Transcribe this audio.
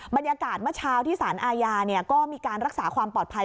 บรรยากาศเมื่อเช้าที่สารอาญาก็มีการรักษาความปลอดภัย